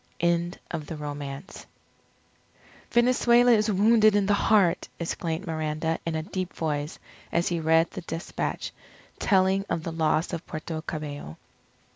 END OF THE ROMANCE "Venezuela is wounded in the heart!" exclaimed Miranda in a deep voice as he read the despatch telling of the loss of Puerto Cabello.